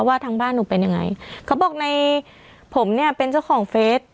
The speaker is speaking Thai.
ว่าทางบ้านหนูเป็นยังไงเขาบอกในผมเนี่ยเป็นเจ้าของเฟส